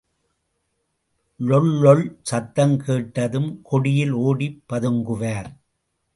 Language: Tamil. ளொள்ளொள் சத்தம் கேட்டதும் கொடியில் ஓடிப் பதுங்குவார்.